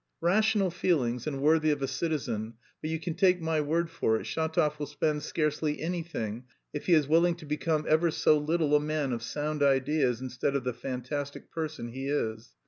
"Rational feelings and worthy of a citizen, but you can take my word for it, Shatov will spend scarcely anything, if he is willing to become ever so little a man of sound ideas instead of the fantastic person he is.